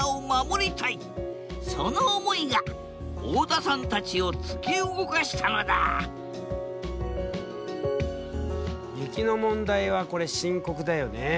その思いが太田さんたちを突き動かしたのだ雪の問題はこれ深刻だよね。